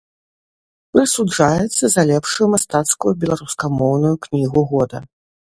Прысуджаецца за лепшую мастацкую беларускамоўную кнігу года.